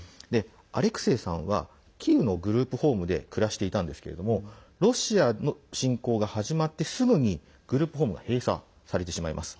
アレクセイさんはキーウのグループホームで暮らしていたんですけれどもロシアの侵攻が始まってすぐにグループホームが閉鎖されてしまいます。